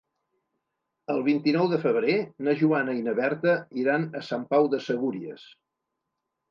El vint-i-nou de febrer na Joana i na Berta iran a Sant Pau de Segúries.